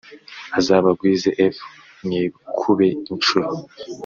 Azabagwize f mwikube incuro